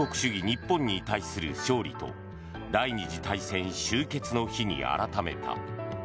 日本に対する勝利と第２次大戦終結の日に改めた。